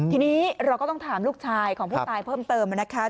ทีนี้เราก็ต้องถามลูกชายของผู้ตายเพิ่มเติมนะคะ